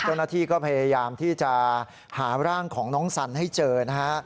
เจ้าหน้าที่ก็พยายามที่จะหาร่างของน้องสันให้เจอนะฮะ